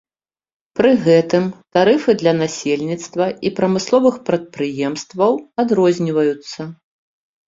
Пры гэтым тарыфы для насельніцтва і прамысловых прадпрыемстваў адрозніваюцца.